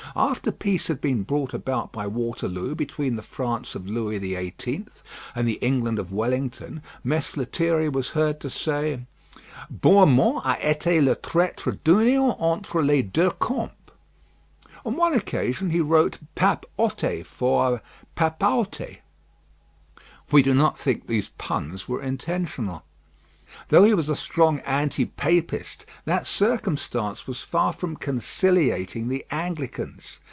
After peace had been brought about by Waterloo between the France of Louis XVIII. and the England of Wellington, Mess Lethierry was heard to say, "Bour mont a été le traître d'union entre les deux camps." On one occasion he wrote pape ôté for papauté. We do not think these puns were intentional. Though he was a strong anti papist, that circumstance was far from conciliating the Anglicans.